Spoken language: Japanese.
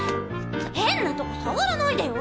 変なとこ触らないでよ！